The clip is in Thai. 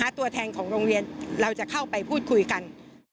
ตัวแทนของโรงเรียนเราจะเข้าไปพูดคุยกัน